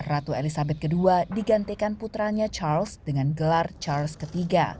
ratu elizabeth ii digantikan putranya charles dengan gelar charles iii